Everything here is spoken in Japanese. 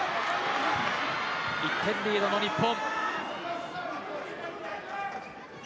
１点リードの日本。